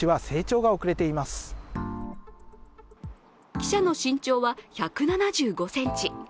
記者の身長は１７５ｃｍ。